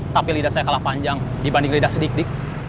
tapi lidah saya kalah panjang dibanding lidah sedikit dik